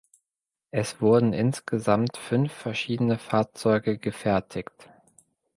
Es wurden insgesamt fünf verschiedene Fahrzeuge gefertigt.